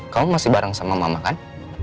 kamu masih bareng sama mama kan